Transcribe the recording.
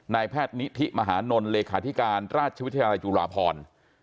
นายแพทย์นิธิมหานลเลขาธิการราชวิทยาลัยจุฬาพร